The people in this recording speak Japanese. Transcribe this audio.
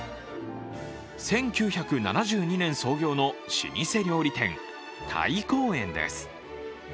１９７２年創業の老舗料理店大幸園です。